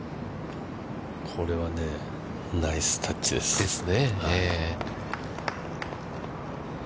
これはナイスタッチです。ですね。